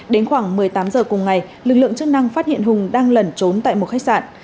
đến khoảng một mươi tám h cùng ngày lực lượng chức năng phát hiện hùng đang lẩn trốn tại một khách sạn